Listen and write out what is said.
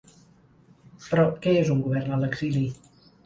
Però, què és un govern a l’exili?